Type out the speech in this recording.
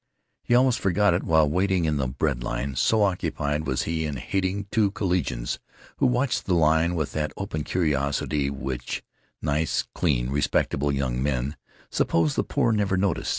He almost forgot it while waiting in the bread line, so occupied was he in hating two collegians who watched the line with that open curiosity which nice, clean, respectable young men suppose the poor never notice.